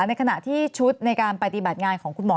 ในขณะที่ชุดในการปฏิบัติงานของคุณหมอ